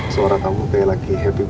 suara kamu kayak lagi happy